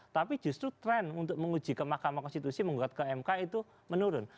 tapi justru tren untuk menguji ke mahkamah konstitusi menguat ke mk itu menurun